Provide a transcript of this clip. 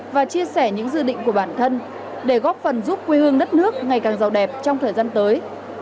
và chia sẻ những dự định của bản thân để góp phần giúp quê hương đất nước ngày càng giàu đẹp trong thời gian tới